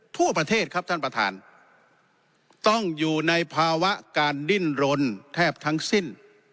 ทั่วประเทศครับท่านประธานต้องอยู่ในภาวะการดิ้นรนแทบทั้งสิ้น